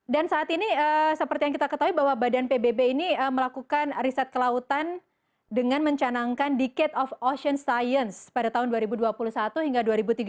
dan saat ini seperti yang kita ketahui bahwa badan pbb ini melakukan riset kelautan dengan mencanangkan decade of ocean science pada tahun dua ribu dua puluh satu hingga dua ribu tiga puluh